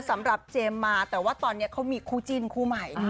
สำหรับเจมมากนะแต่ว่าตอนนี้เขามีคู่จินคู่ใหม่